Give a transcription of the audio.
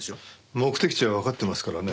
目的地はわかってますからね。